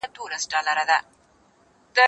نان وخوره!.